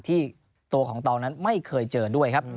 ที่ตัวของเตานั้นไม่เคยเจอด้วยครับ